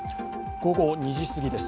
午後２時過ぎです。